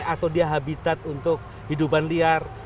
atau dia habitat untuk hidupan liar